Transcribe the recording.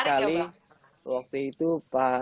jadi saya ingin mengucapkan